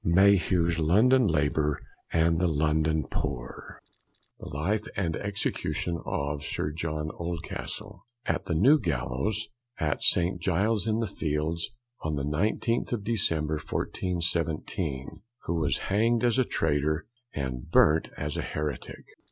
Mayhew's London Labour and the London Poor. THE LIFE & EXECUTION OF SIR JOHN OLDCASTLE AT THE NEW GALLOWS, AT ST. GILES'S IN THE FIELDS, ON THE 19th OF DECEMBER, 1417. _Who was Hang'd as a Traytor, and Burnt as a Heretick.